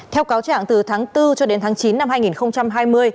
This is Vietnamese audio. theo cáo trả ảnh từ tháng bốn cho đến tháng chín năm hai nghìn hai mươi